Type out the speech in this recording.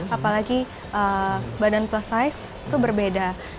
apalagi badan plus size itu berbeda